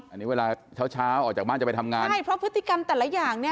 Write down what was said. อันนี้เวลาเช้าเช้าออกจากบ้านจะไปทำงานใช่เพราะพฤติกรรมแต่ละอย่างเนี่ย